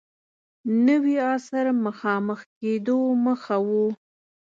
نوي عصر مخامخ کېدو مخه و.